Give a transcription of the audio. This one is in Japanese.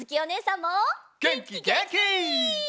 げんきげんき！